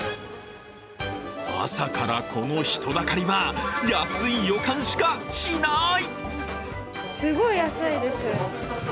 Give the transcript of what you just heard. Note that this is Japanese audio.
朝から、この人だかりは安い予感しかしない。